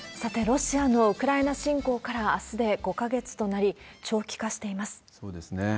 ロシアのウクライナ侵攻からあすで５か月となり、長期化していまそうですね。